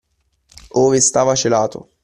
Ove stava celato